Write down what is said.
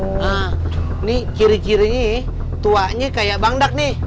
nah ini kiri kirinya tuhannya kayak bangdak nih